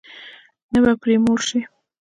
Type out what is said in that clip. نه به پرې موړ شې.